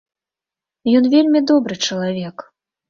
Ён вельмі добры чалавек.